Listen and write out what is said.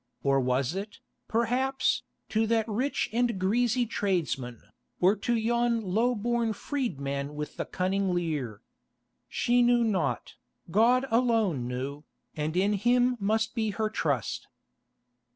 Or was it, perhaps, to that rich and greasy tradesman, or to yon low born freedman with a cunning leer? She knew not, God alone knew, and in Him must be her trust.